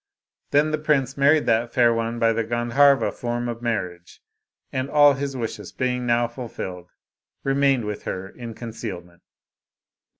Then the prince married that fair one by the Gandharva form of marriage, and all his wishes being now fulfilled, remained with her in concealment.